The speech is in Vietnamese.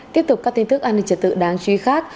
tiếp tục các tin tức an ninh trật tự đáng suy khắc